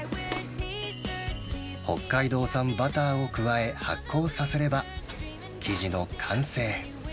北海道産バターを加え、発酵させれば生地の完成。